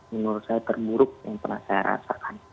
menurut saya terburuk yang pernah saya rasakan